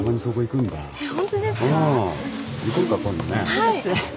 ちょっと失礼。